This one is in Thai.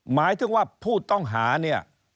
หมายถึงว่าผู้ต้องหาเนี่ย